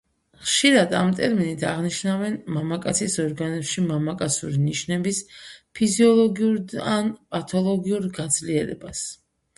ხშირად ამ ტერმინით აღნიშნავენ მამაკაცის ორგანიზმში მამაკაცური ნიშნების ფიზიოლოგიურ ან პათოლოგიურ გაძლიერებას.